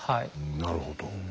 なるほど。